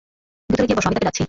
ভিতরে গিয়ে বসো, আমি তাকে ডাকছি।